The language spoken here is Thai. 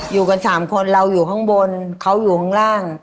อยู่กันสามคนเราอยู่ข้างบนเขาอยู่ข้างล่าง